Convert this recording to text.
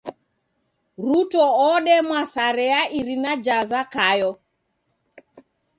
Ruto odemwa sare ya irina ja Zakayo.